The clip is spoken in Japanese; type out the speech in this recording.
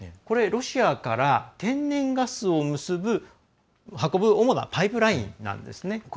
これ、ロシアから天然ガスを運ぶ主なパイプラインなんですね。